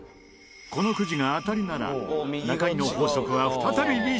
このくじが当たりなら中井の法則が再び立証となるが。